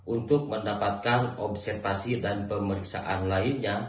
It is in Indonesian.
untuk mendapatkan observasi dan pemeriksaan lainnya